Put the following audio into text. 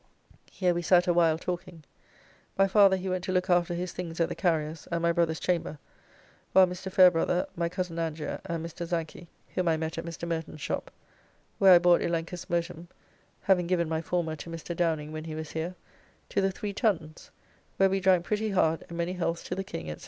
Here we sat a while talking. My father he went to look after his things at the carrier's, and my brother's chamber, while Mr. Fairbrother, my Cozen Angier, and Mr. Zanchy, whom I met at Mr. Merton's shop (where I bought 'Elenchus Motuum', having given my former to Mr. Downing when he was here), to the Three Tuns, where we drank pretty hard and many healths to the King, &c.